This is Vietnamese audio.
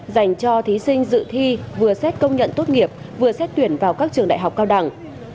dành cho thí sinh dự thi vừa xét công nhận tốt nghiệp vừa xét tuyển vào các trường đại học cao đẳng